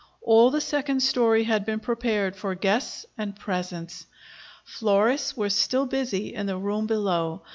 All the second story had been prepared for guests and presents. Florists were still busy in the room below.